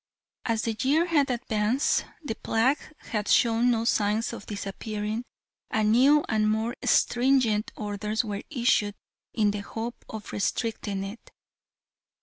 As the year had advanced the plague had shown no signs of disappearing, and new and more stringent orders were issued in the hope of restricting it.